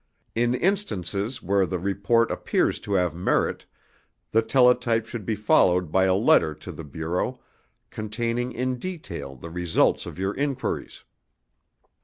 In instances where the report appears to have merit, the teletype should be followed by a letter to the Bureau containing in detail the results of your inquiries.